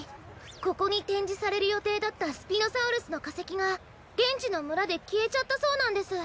ここにてんじされるよていだったスピノサウルスのかせきがげんちのむらできえちゃったそうなんです。